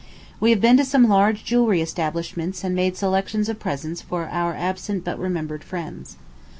We have been to some large jewelry establishments and made selections of presents for our absent but remembered friends.